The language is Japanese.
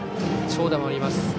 長打もあります。